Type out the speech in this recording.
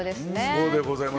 そうでございます。